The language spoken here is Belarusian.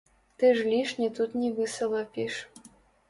Ты ж лішне тут не высалапіш.